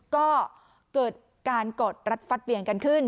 ก็เกิดการกอดรัดฟัดเวียงกันขึ้น